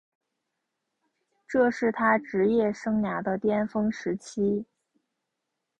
这是他职业生涯的巅峰时期。